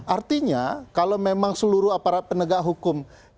artinya kalau memang seluruh aparat penegak hukum